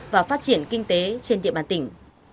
và phát triển kinh tế trên địa bàn tỉnh